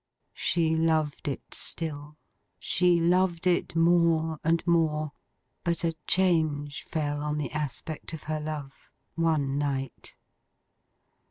She loved it still. She loved it more and more. But a change fell on the aspect of her love. One night.